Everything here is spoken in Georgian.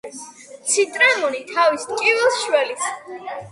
ციტრამონი თავის ტკივილს შველის.